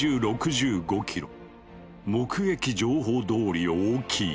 目撃情報どおり大きい。